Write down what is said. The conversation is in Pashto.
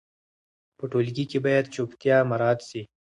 په ټولګي کې باید چوپتیا مراعت سي.